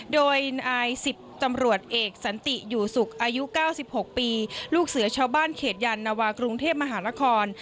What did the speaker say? โดยนาย๑๐ตำรวจเอกสันติอยู่สุขอายุ๙๖ปีลูกเสือชาวบ้านเขตยานวากรุงเทพมหานคร